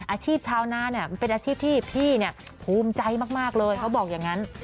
อาชีพชาวนาเป็นอาชีพที่พี่ภูมิใจมากเลยเขาบอกอย่างนั้น